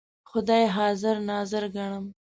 خدای حاضر ناظر ګڼم.